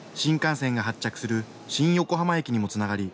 新幹線が発着する新横浜駅にもつながり